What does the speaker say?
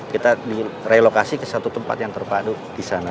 kita direlokasi ke satu tempat yang terpadu di sana